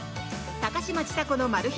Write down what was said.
高嶋ちさ子のマル秘